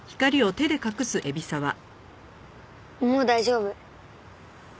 もう大丈夫。